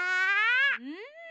うん。